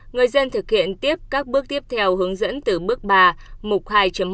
người dân thực hiện tiếp các bước tiếp theo hướng dẫn từ bước ba mục hai một